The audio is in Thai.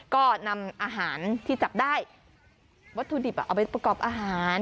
ก็นำอาหารที่จับได้วัตถุดิบเอาไปประกอบอาหาร